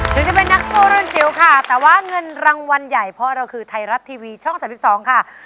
ถึงจะเป็นนักสู้รุ่นจิ๋วค่ะแต่ว่าเงินรางวัลใหญ่เพราะเราคือไทยรัฐทีวีช่อง๓๒ค่ะ